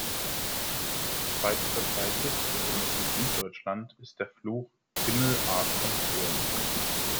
Weit verbreitet, besonders in Süddeutschland, ist der Fluch „Himmel, Arsch und Zwirn“.